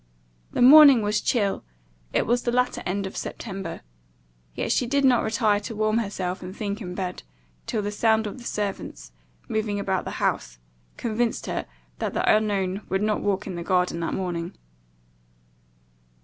The morning was chill, it was the latter end of September; yet she did not retire to warm herself and think in bed, till the sound of the servants, moving about the house, convinced her that the unknown would not walk in the garden that morning.